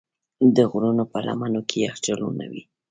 د غرونو په لمنو کې یخچالونه وي.